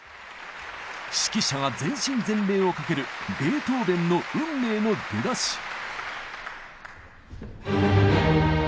指揮者が全身全霊をかけるベートーベンの「運命」の出だし。